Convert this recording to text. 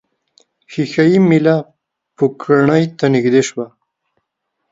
ښيښه یي میله پوکڼۍ ته نژدې شوه.